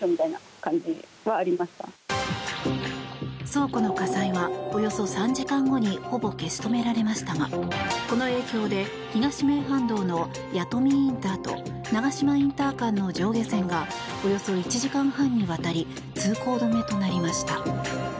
倉庫の火災はおよそ３時間後にほぼ消し止められましたがこの影響で東名阪道の弥富ＩＣと長島ＩＣ間の上下線がおよそ１時間半にわたり通行止めとなりました。